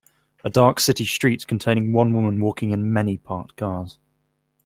A dark city street containing one woman walking and many parked cars.